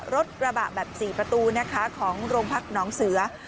รถกระบะแบบ๔ประตูนะคะของโรงพักน้องเสือ